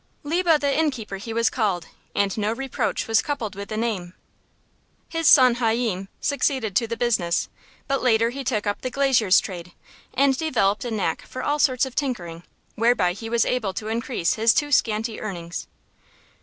Lebe the Innkeeper he was called, and no reproach was coupled with the name. His son Hayyim succeeded to the business, but later he took up the glazier's trade, and developed a knack for all sorts of tinkering, whereby he was able to increase his too scanty earnings.